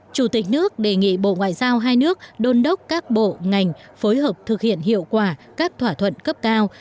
chủ tịch nước đề nghị bộ ngoại giao hai nước đôn đốc các bộ ngành phối hợp thực hiện hiệu quả các thỏa thuận cấp cao